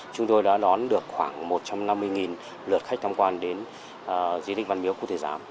chúng tôi đã đón được khoảng một trăm năm mươi lượt khách tham quan đến di tích văn miếu quốc tử giám